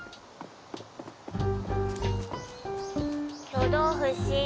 挙動不審。